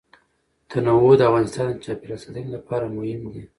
تنوع د افغانستان د چاپیریال ساتنې لپاره مهم دي.